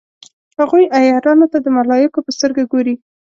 هغوی عیارانو ته د ملایکو په سترګه ګوري.